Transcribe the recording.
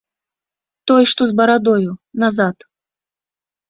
Той, што з барадою, назад.